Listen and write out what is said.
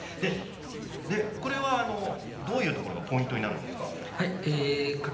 これはどういうところがポイントですか？